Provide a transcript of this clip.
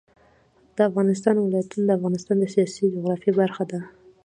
د افغانستان ولايتونه د افغانستان د سیاسي جغرافیه برخه ده.